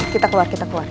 kita keluar kita keluar